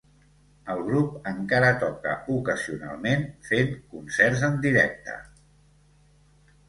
El grup encara toca ocasionalment fent concerts en directe.